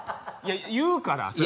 いや言うから。